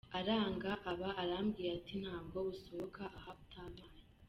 Aranga aba arambwiye ati : “ntabwo usohoka aha utampaye…”.